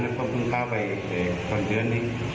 เขาก็คงกล้าไปเจ็บพอเจือนนิด